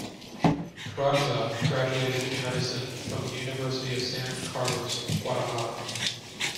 Carranza graduated in medicine from the University of San Carlos in Guatemala.